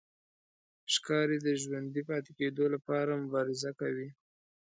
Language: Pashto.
ښکاري د ژوندي پاتې کېدو لپاره مبارزه کوي.